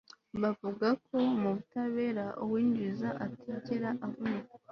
bavuga ko mu butabera, uwinjiza atigera avunika